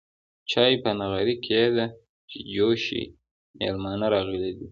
چاي په نغرې کيده چې جوش شي ميلمانه راغلي دي.